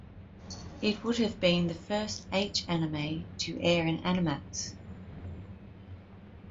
It would have been the first H anime to air in Animax.